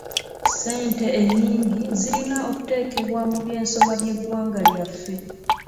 Ssente ennyingi zirina okuteekebwa mu by'ensoma by'eggwanga lyaffe.